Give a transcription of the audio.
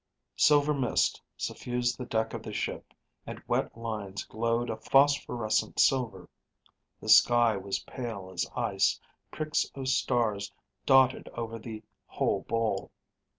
_Silver mist suffused the deck of the ship and wet lines glowed a phosphorescent silver; the sky was pale as ice; pricks of stars dotted over the whole bowl.